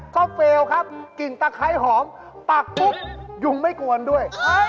ก็เฟลล์ครับกลิ่นตะไคร้หอมปักปุ๊บยุงไม่กวนด้วย